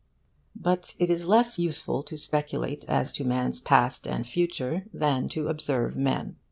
But it is less useful to speculate as to mankind's past and future than to observe men.